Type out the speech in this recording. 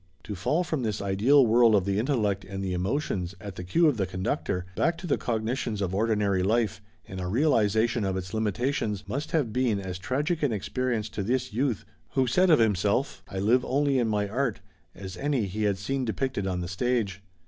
To fall from this ideal world of the intellect and the emotions, at the cue of the conductor, back to the cognitions of ordinary life, and a realization of its limitations, must have been as tragic an experience to this youth, who said of himself: "I live only in my art," as any he had seen depicted on the stage.